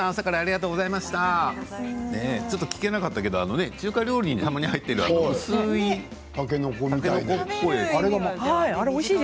ちょっと聞けなかったけど中華料理にたまに入っている薄いたけのこっぽい。